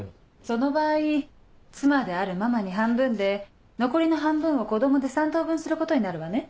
その場合妻であるママに半分で残りの半分を子供で３等分することになるわね。